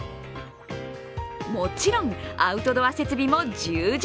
もちろんアウトドア設備も充実。